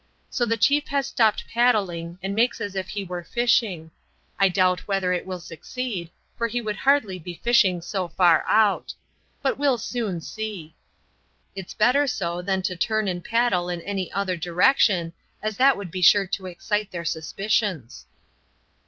So the chief has stopped paddling and makes as if he were fishing. I doubt whether it will succeed, for he would hardly be fishing so far out. But we'll soon see. It's better so than to turn and paddle in any other direction, as that would be sure to excite their suspicions."